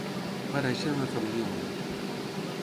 Va néixer en una família humil.